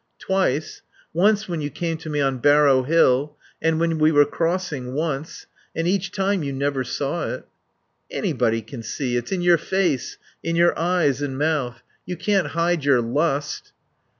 Twice. Once when you came to me on Barrow Hill. And when we were crossing; once. And each time you never saw it." "Anybody can see. It's in your face. In your eyes and mouth. You can't hide your lust."